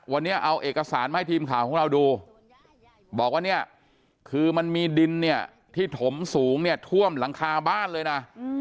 วันนี้เอาเอกสารมาให้ทีมข่าวของเราดูบอกว่าเนี่ยคือมันมีดินเนี่ยที่ถมสูงเนี่ยท่วมหลังคาบ้านเลยนะ